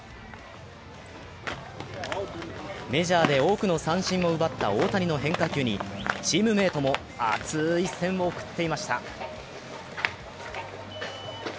メジャーで多くの三振を奪った大谷の変化球にチームメートも熱い視線を送っていました。